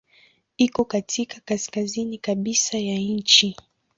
Iko katika kaskazini kabisa ya nchi.